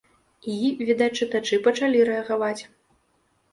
І, відаць, чытачы пачалі рэагаваць.